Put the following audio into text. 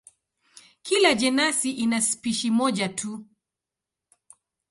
Kila jenasi ina spishi moja tu.